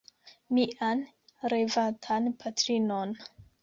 Mian revatan patrinon.